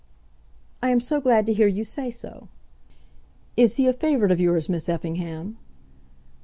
"I am so glad to hear you say so." "Is he a favourite of yours, Miss Effingham?"